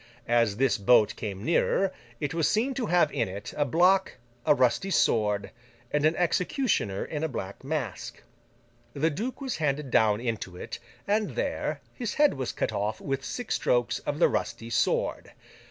As this boat came nearer, it was seen to have in it a block, a rusty sword, and an executioner in a black mask. The duke was handed down into it, and there his head was cut off with six strokes of the rusty sword.